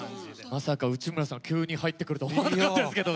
まさか内村さんが急に入ってくるとは思わなかったんですけど。